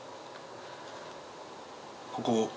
ここ。